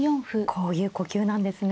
こういう呼吸なんですね。